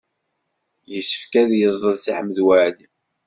Yessefk ad yeẓẓel Si Ḥmed Waɛli.